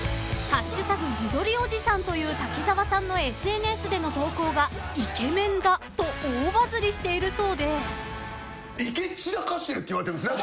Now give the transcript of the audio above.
［「＃自撮りおじさん」という滝沢さんのＳＮＳでの投稿がイケメンだと大バズりしているそうで］って言われてるんすね